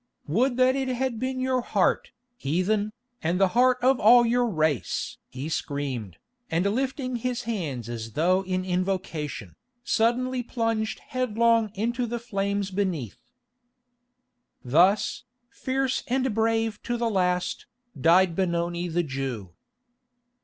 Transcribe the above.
"Would that it had been your heart, heathen, and the heart of all your race!" he screamed, and lifting his hands as though in invocation, suddenly plunged headlong into the flames beneath. Thus, fierce and brave to the last, died Benoni the Jew.